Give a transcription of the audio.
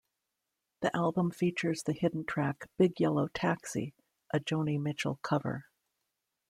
The album features the hidden track "Big Yellow Taxi", a Joni Mitchell cover.